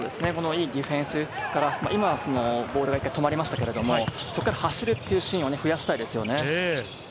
良いディフェンスから今はボールが一回止まりましたが、そこから走るシーンを増やしたいですね。